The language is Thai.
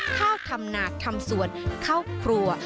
ข้าวทำหนากทำสวนเข้าครัว